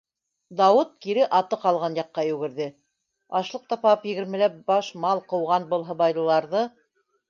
Дауыт кире аты ҡалған яҡҡа йүгерҙе: ашлыҡ тапап егермеләп баш мал ҡыуған был һыбайлыларҙы